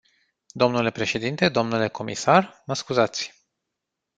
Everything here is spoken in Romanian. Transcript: Dle președinte, dle comisar, mă scuzați.